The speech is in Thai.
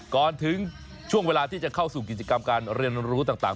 ถึงช่วงเวลาที่จะเข้าสู่กิจกรรมการเรียนรู้ต่าง